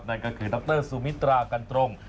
นั่นก็คือดรสุมิตรากันตรง